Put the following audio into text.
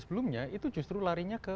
sebelumnya itu justru larinya ke